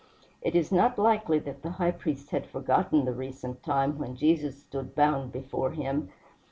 It is not likely that the high priest had forgotten the recent time when Jesus stood bound before him.